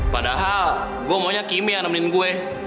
padahal gue maunya kimi yang nemenin gue